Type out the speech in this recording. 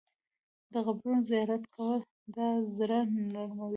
د قبرونو زیارت کوه، دا زړه نرموي.